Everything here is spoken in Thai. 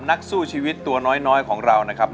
นักสู้ชีวิตตัวน้อยของเรานะครับ